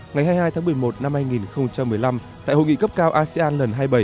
ngày hai mươi hai tháng một mươi một năm hai nghìn một mươi năm tại hội nghị cấp cao asean lần hai mươi bảy